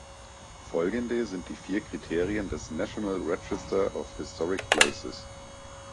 Folgende sind die vier Kriterien des National Register of Historic Places.